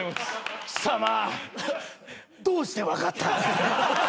貴様どうして分かった。